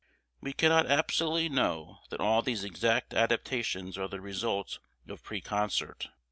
We cannot absolutely know that all these exact adaptations are the result of preconcert.